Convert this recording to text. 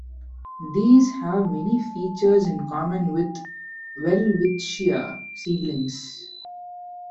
These have many features in common with "Welwitschia" seedlings.